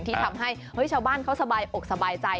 ที่ทำให้ชาวบ้านเขาสบายอกสบายใจ